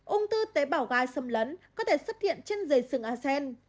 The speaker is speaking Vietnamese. ung tư tế bảo gai xâm lấn có thể xuất hiện trên dây sừng a sen